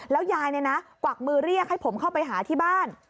แล้วยายกวักมือเรียกให้ผมเข้าไปหาที่บ้าน